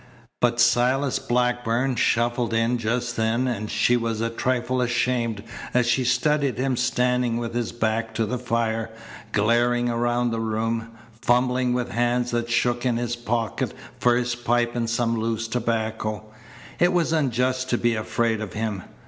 But Silas Blackburn shuffled in just then, and she was a trifle ashamed as she studied him standing with his back to the fire, glaring around the room, fumbling with hands that shook in his pocket for his pipe and some loose tobacco. It was unjust to be afraid of him.